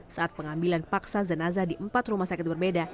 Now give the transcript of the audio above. saat pengambilan paksa jenazah di empat rumah sakit berbeda